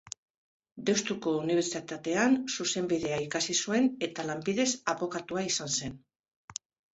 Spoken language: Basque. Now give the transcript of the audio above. Deustuko Unibertsitatean zuzenbidea ikasi zuen eta lanbidez abokatua izan zen.